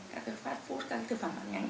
các cái fast food các cái thực phẩm ăn nhanh